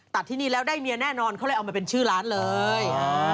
ที่นี่แล้วได้เมียแน่นอนเขาเลยเอามาเป็นชื่อร้านเลย